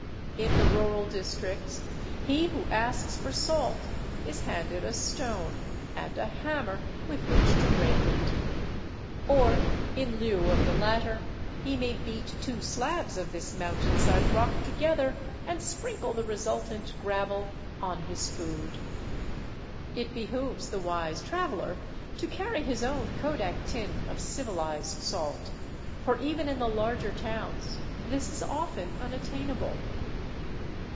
In the rural districts he who asks for salt is handed a stone — and a hammer with which to break it. Or in lieu of the latter he may beat two slabs of this mountainside rock together, and sprinkle the resultant gravel on his food. It behooves the wise traveler to carry his own kodak tin of civilized salt, for even in the larger towns this is often unattainable.